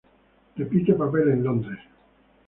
Repite papel en Londres.